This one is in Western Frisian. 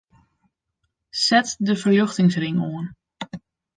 Set de ferljochtingsring oan.